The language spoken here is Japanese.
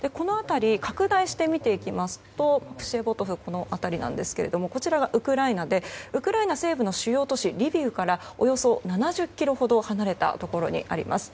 拡大して見ていきますとプシェボドフこの辺りなんですがこちらがウクライナでウクライナ西部の主要都市リビウからおよそ７０ｋｍほど離れたところにあります。